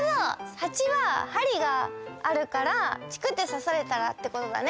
ハチはハリがあるからチクッてさされたらってことだね。